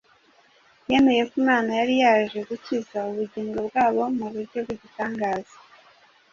yamenye ko Imana yari yaje gukiza ubugingo bwabo mu buryo bw’igitangaza